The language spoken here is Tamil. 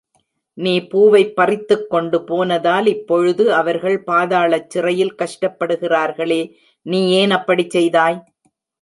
நீ பூவைப் பறித்துக்கொண்டு போனதால் இப் பொழுது அவர்கள் பாதாளச் சிறையில் கஷ்டப்படுகிறார்களே நீயேன் அப்படிச் செய்தாய்?